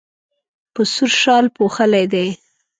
په سور شال پوښلی دی.